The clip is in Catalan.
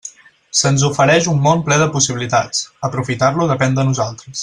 Se'ns ofereix un món ple de possibilitats; aprofitar-lo depèn de nosaltres.